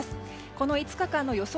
この５日間の予想